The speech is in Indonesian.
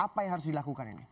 apa yang harus dilakukan ini